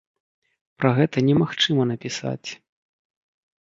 Пра гэта немагчыма напісаць!